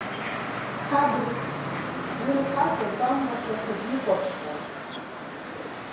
Ҳаб рыцҳа, уи лхаҵа тәамбашақәа дихәаԥшуан.